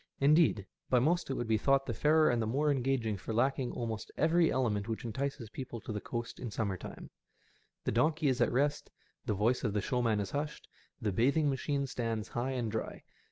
Indeed, by most it would be thought the fairer and the more engaging for lacking almost every element which entices people to the coast in summer time. The donkey is at rest^ the voice of the showman is hushed, the bathing machine stands high and dry.